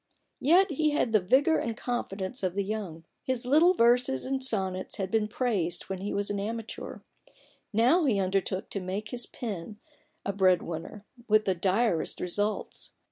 Yet he had the vigour and confidence of the young. His little verses and sonnets had been praised when he was an amateur ; now he undertook to make his pen a bread 8 A BOOK OF BARGAINS. winner — with the direst results.